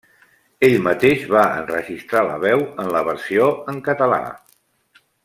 Ell mateix va enregistrar la veu en la versió en català.